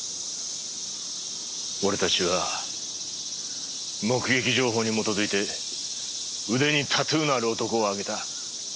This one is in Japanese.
俺たちは目撃情報に基づいて腕にタトゥーのある男をあげた。